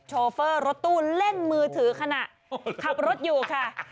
โฟเฟอร์รถตู้เล่นมือถือขณะขับรถอยู่ค่ะ